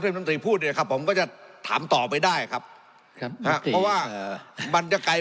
เทพน้ำตีพูดเลยครับผมก็จะถามต่อไปได้ครับครับครับเพราะว่าบรรยไกรไหม